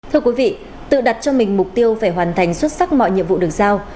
thưa quý vị tự đặt cho mình mục tiêu phải hoàn thành xuất sắc mọi nhiệm vụ được giao